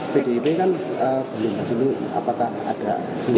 pdip kan belum dulu apakah ada